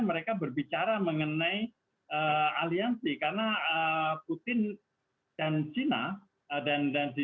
mereka berbicara mengenai aliansi karena putin dan china dan xi